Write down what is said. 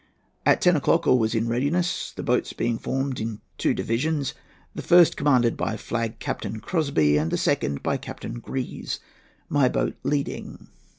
"At ten o'clock all was in readiness, the boats being formed in two divisions, the first commanded by Flag Captain Crosbie and the second by Captain Gruise,—my boat leading.